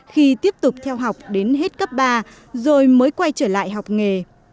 khi tiếp tục theo học đến hết cấp ba rồi mới quay trở lại học nghề